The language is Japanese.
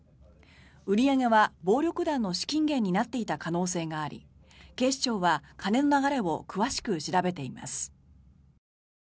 売り上げは暴力団の資金源になっていた可能性があり警視庁は金の流れを詳しく調べています。